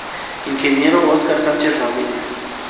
Ing. Oscar Sánchez Ramírez.